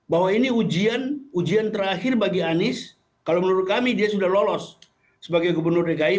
bahwa ini ujian terakhir bagi anies kalau menurut kami dia sudah lolos sebagai gubernur dki